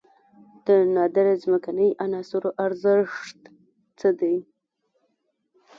د نادره ځمکنۍ عناصرو ارزښت څه دی؟